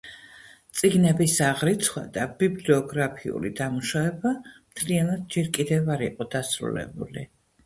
წიგნების აღრიცხვა და ბიბლიოგრაფიული დამუშავება მთლიანად ჯერ კიდევ არ იყო დასრულებული.